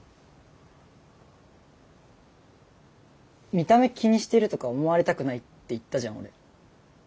見た目気にしてるとか思われたくないって言ったじゃん俺。